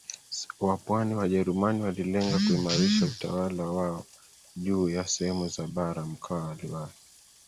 wa pwani Wajerumani walilenga kuimarisha utawala wao juu ya sehemu za baraMkwawa aliwahi